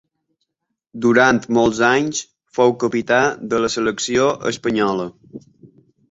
Durant molts anys fou capità de la selecció espanyola.